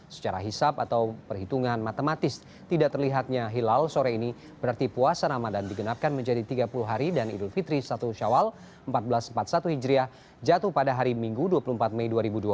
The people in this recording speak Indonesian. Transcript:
secara hisap atau perhitungan matematis tidak terlihatnya hilal sore ini berarti puasa ramadan digenapkan menjadi tiga puluh hari dan idul fitri satu syawal seribu empat ratus empat puluh satu hijriah jatuh pada hari minggu dua puluh empat mei dua ribu dua puluh